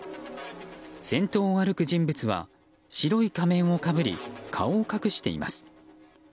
先頭を歩く人物は白い仮面をかぶり、顔を隠しています。